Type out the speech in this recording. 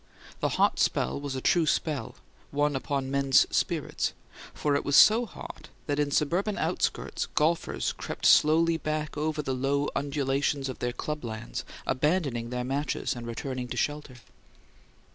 The "hot spell" was a true spell, one upon men's spirits; for it was so hot that, in suburban outskirts, golfers crept slowly back over the low undulations of their club lands, abandoning their matches and returning to shelter.